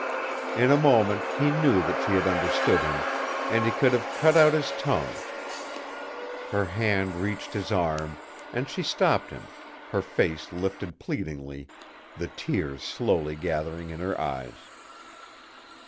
In a moment he knew that she had understood him, and he could have cut out his tongue. Her hand reached his arm, and she stopped him, her face lifted pleadingly, the tears slowly gathering in her eyes.